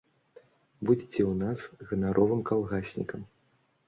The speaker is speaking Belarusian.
Будзеце ў нас ганаровым калгаснікам.